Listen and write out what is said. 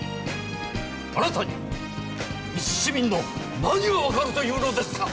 あなたに、いち市民の何がわかるというのですか。